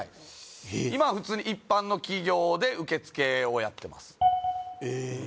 今は普通に一般の企業で受付をやってますえ